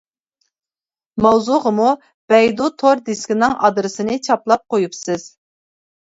ماۋزۇغىمۇ بەيدۇ تور دىسكىنىڭ ئادرېسىنى چاپلاپ قويۇپسىز.